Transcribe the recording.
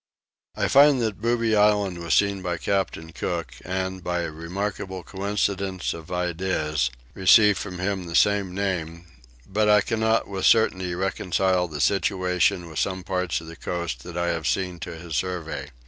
I find that Booby island was seen by Captain Cook and, by a remarkable coincidence of ideas, received from him the same name, but I cannot with certainty reconcile the situation of some parts of the coast that I have seen to his survey.